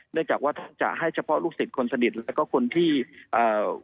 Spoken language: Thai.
จากว่าจะให้เฉพาะลูกศิษย์คนสนิทแล้วก็คนที่เอ่อ